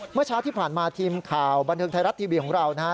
เมื่อเช้าที่ผ่านมาทีมข่าวบันเทิงไทยรัฐทีวีของเรานะฮะ